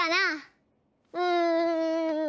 うん。